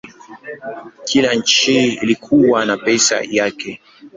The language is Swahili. Kila nchi ilikuwa na pesa yake.